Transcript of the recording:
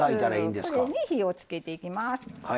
これに火をつけていきます。